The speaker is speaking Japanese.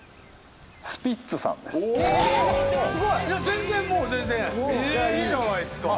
全然もう全然いいじゃないですか。